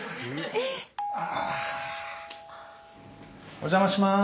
お邪魔します！